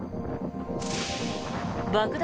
爆弾